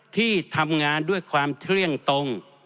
ที่ทำงานด้วยความเที่ยงตรง